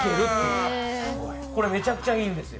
これめちゃくちゃいいんですよ。